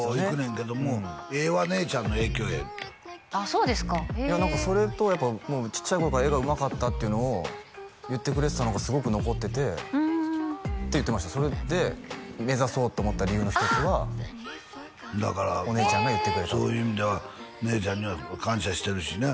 そうですかへえそれとやっぱちっちゃい頃から絵がうまかったっていうのを言ってくれてたのがすごく残っててふんって言ってましたそれで目指そうと思った理由の一つはお姉ちゃんが言ってくれたそういう意味では姉ちゃんには感謝してるしね